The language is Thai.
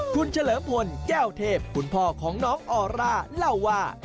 คุณเฉลิมพลแก้วเทพคุณพ่อของน้องออร่าเล่าว่า